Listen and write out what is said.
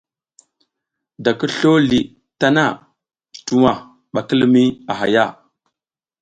Da ki slo li tana, tuwa ɓa ki limiy a hay a.